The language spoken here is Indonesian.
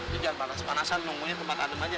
hujan panas panasan nunggunya tempat adem aja